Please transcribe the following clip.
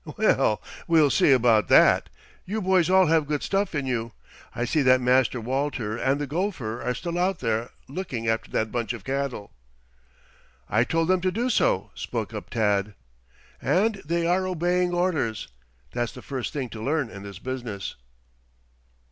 "Well, we'll see about that. You boys all have good stuff in you. I see that Master Walter and the gopher are still out there looking after that bunch of cattle." "I told them to do so," spoke up Tad. "And they are obeying orders. That's the first thing to learn in this business."